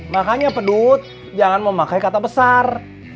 makanya pedut jangan memakai kata besar